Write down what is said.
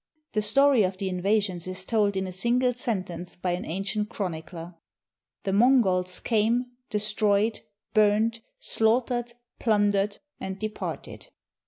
The story of the (invasions is told in a single sentence by an an cient chronicler —'' The Mongols came, destroyed, burnt, slaughtered, plundered, and departed."